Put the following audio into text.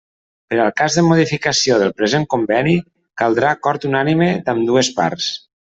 Per al cas de modificació del present conveni, caldrà acord unànime d'ambdues parts.